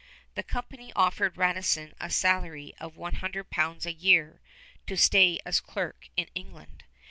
The company offered Radisson a salary of 100 pounds a year to stay as clerk in England.